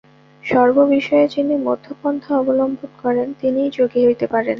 সর্ব বিষয়ে যিনি মধ্যপন্থা অবলম্বন করেন, তিনিই যোগী হইতে পারেন।